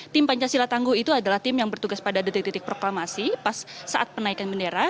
tim pancasila tangguh itu adalah tim yang bertugas pada detik detik proklamasi pas saat penaikan bendera